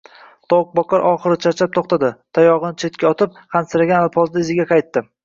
Tovuqboqar oxiri charchab to‘xtadi, tayog‘ini chetga otib, hansiragan alpozda iziga qaytdi